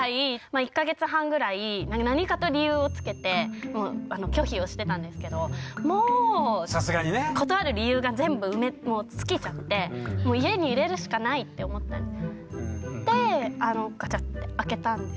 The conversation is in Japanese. １か月半ぐらい何かと理由をつけて拒否をしてたんですけどもう断る理由が全部尽きちゃってでガチャッて開けたんですね。